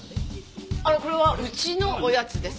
あのこれはうちのおやつです。